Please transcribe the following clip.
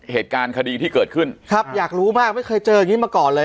เหตุการณ์คดีที่เกิดขึ้นครับอยากรู้มากไม่เคยเจออย่างงี้มาก่อนเลย